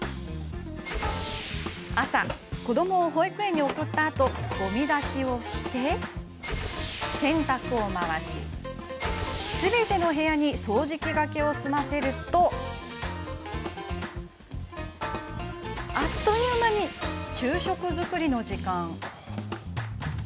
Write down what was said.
朝、子どもを保育園に送ったあとごみ出しをして、洗濯を回しすべての部屋に掃除機がけを済ませるとあっという間に昼食作りの時間。